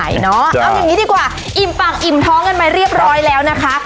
เอาอย่างนี้ดีกว่าอิ่มปากอิ่มท้องกันมาเรียบร้อยแล้วนะคะ